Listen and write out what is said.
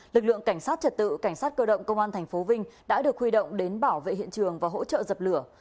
lực lượng cảnh sát trật tự cảnh sát cơ động công an tp vinh đã được huy động đến bảo vệ hiện trường và hỗ trợ dập lửa